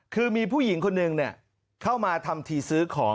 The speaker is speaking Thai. คือมีผู้หญิงคนหนึ่งเข้ามาทำทีซื้อของ